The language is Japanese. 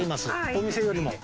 お店よりも。